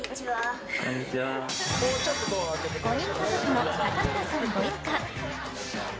５人家族の坂村さんご一家。